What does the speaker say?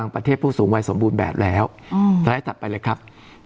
ประเทศผู้สูงวัยสมบูรณ์แบบแล้วสไลด์ถัดไปเลยครับ